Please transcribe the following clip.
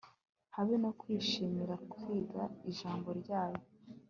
habe no kwishimira kwiga ijambo ryayo